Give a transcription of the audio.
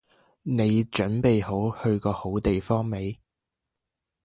你準備好去個好地方未？